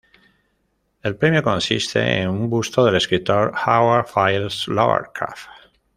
El premio consiste en un busto del escritor Howard Phillips Lovecraft.